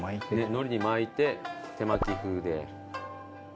のりに巻いて手巻き風で。